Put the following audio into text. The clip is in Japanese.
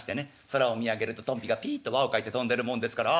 空を見上げるとトンビがピッと輪を描いて飛んでるもんですから。